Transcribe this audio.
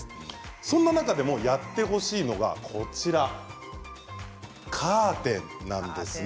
そんな中でもやってほしいのがカーテンなんです。